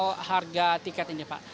untuk harga tiket ini pak